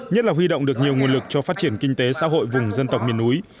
nhất là huy động được nhiều nguồn lực cho phát triển kinh tế xã hội vùng dân tộc miền núi